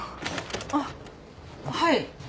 あっはい。